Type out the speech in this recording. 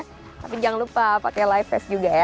tapi jangan lupa pakai life vest juga ya